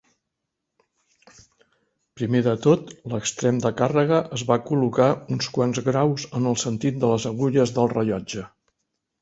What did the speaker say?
Primer de tot, l'extrem de càrrega es va col·locar uns quants graus en el sentit de les agulles del rellotge.